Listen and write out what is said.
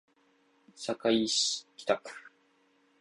堺市北区